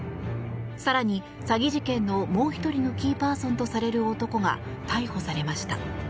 更に、詐欺事件のもう１人のキーパーソンとされる男が逮捕されました。